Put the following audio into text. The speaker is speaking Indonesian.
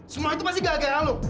semua itu pasti gara gara lo